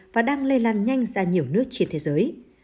và đang lây lan nhanh ra nhiều nước trên thế giới